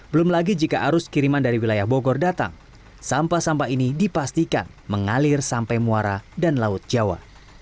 belum lagi jika arus kiriman dari wilayah bogor datang sampah sampah ini dipastikan mengalir sampai muara dan laut jawa